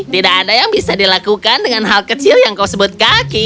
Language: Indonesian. tidak ada yang bisa dilakukan dengan hal kecil yang kau sebut kaki